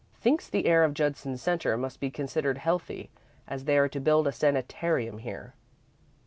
Thinks the air of Judson Centre must be considered healthy as they are to build a sanitarium here.